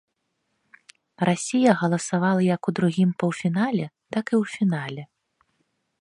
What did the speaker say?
Расія галасавала як у другім паўфінале, так і ў фінале.